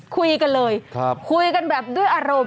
คุยกันเลยคุยกันแบบด้วยอารมณ์